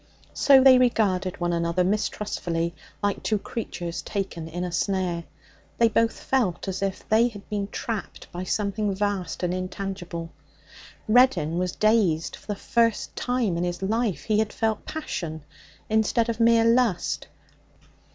So they regarded one another mistrustfully, like two creatures taken in a snare. They both felt as if they had been trapped by something vast and intangible. Reddin was dazed. For the first time in his life he had felt passion instead of mere lust.